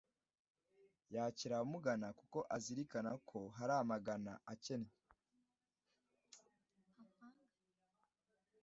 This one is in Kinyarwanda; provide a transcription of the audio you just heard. yakira abamugana kuko azirikana ko hari amagana akennye